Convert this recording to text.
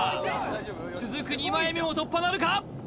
続く２枚目も突破なるか？